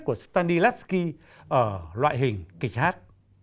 của stanislavski ở loại hình kịch hát